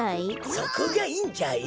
そこがいいんじゃよ。